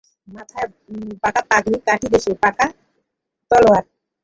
মাথায় বাঁকা পাগড়ি, কটিদেশে বাঁকা তলোয়ার।